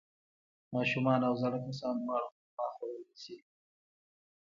ماشومان او زاړه کسان دواړه خرما خوړلی شي.